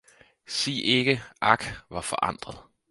sig ikke, ak, hvor forandret!